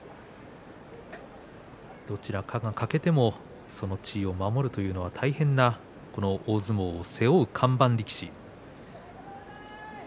どちらかが欠けてもその地位を守るというのは大変なこの大相撲を背負う看板力士。